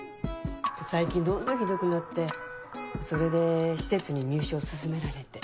最近どんどんひどくなってそれで施設に入所を勧められて。